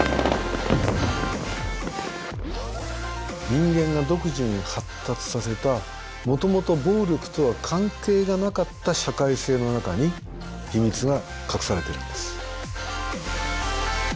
人間が独自に発達させたもともと暴力とは関係がなかった社会性の中に秘密が隠されているんです。